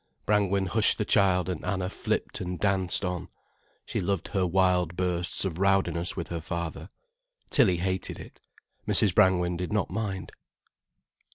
Brangwen hushed the child and Anna flipped and danced on. She loved her wild bursts of rowdiness with her father. Tilly hated it, Mrs. Brangwen did not mind.